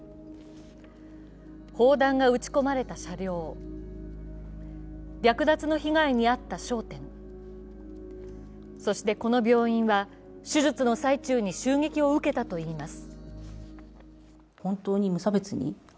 砲弾が撃ち込まれた車両、略奪の被害に遭った商店、そしてこの病院は、手術の最中に襲撃を受けたといいます。